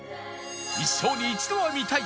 一生に一度は見たい！